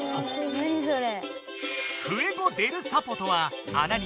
何それ。